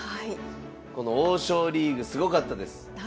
この王将リーグすごかったです。